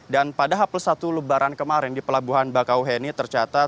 dan pada hapus satu lebaran kemarin di pelabuhan bakauheni tercatat